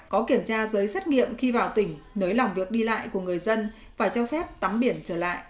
có kiểm tra giấy xét nghiệm khi vào tỉnh nới lỏng việc đi lại của người dân và cho phép tắm biển trở lại